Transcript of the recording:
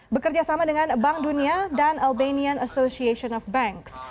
bekerjasama dengan bank dunia dan albanian association of banks